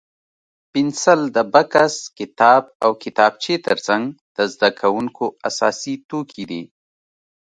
پنسل د بکس، کتاب او کتابچې تر څنګ د زده کوونکو اساسي توکي دي.